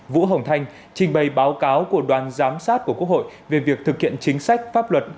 vũ hồng thanh trình bày báo cáo của đoàn giám sát của quốc hội về việc thực hiện chính sách pháp luật